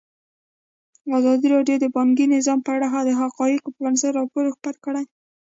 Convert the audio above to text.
ازادي راډیو د بانکي نظام په اړه د حقایقو پر بنسټ راپور خپور کړی.